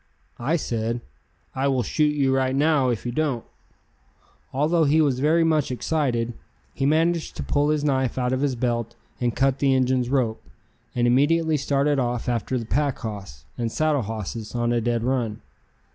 I said: "I will shoot you right now if you don't." Although he was very much excited, he managed to pull his knife out of his belt and cut the Injun's rope, and immediately started off after the pack hoss and saddle hosses on a dead run.